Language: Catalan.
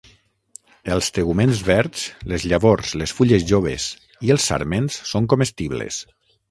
Els teguments verds, les llavors, les fulles joves i els sarments són comestibles.